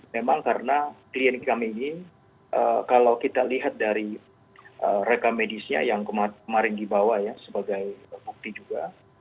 memang karena klien kami ini kalau kita lihat dari rekam medisnya yang kemarin dibawa ya sebagai bukti juga